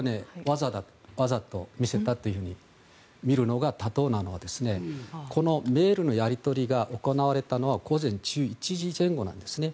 わざと見せたとみるのが妥当なのはこのメールのやり取りが行われたのは午前１１時前後なんですね。